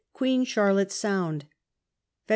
Queen Chai'lotte Sound. Feb.